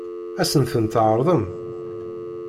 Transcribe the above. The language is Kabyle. Ad sen-ten-tɛeṛḍem?